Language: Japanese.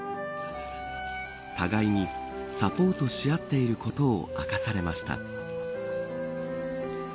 互いにサポートし合っていることを明かされました。